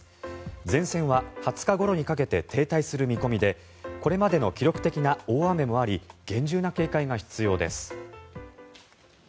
前線は２０日ごろにかけて停滞する見込みでこれまでの記録的な大雨もあり厳重な警戒が必要です。